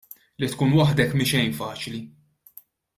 Li tkun waħdek mhi xejn faċli.